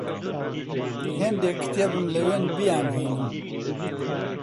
هێندێک کێتبم لەوێن بیانهێنم